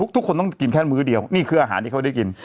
ทุกคนต้องกินแค่มื้อเดียวนี่คืออาหารที่เขาได้กิน